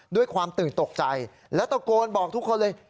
ด้วยความตื่นตกใจและตะโกนบอกทุกคนเลย